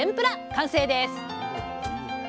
完成です！